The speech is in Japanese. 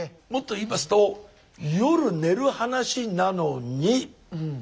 もっと言いますと夜寝る話なのに。